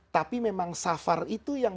tapi memang safar itu yang